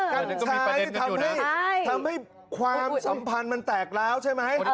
กัญชาที่ทำให้ทำให้ความสัมพันธ์มันแตกแล้วใช่ไหม